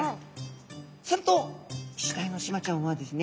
するとイシダイのシマちゃんはですね